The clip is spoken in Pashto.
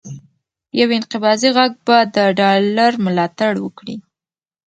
یو انقباضي غږ به د ډالر ملاتړ وکړي،